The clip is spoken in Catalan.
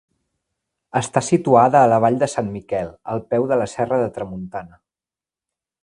Està situada a la Vall de Sant Miquel, al peu de la Serra de Tramuntana.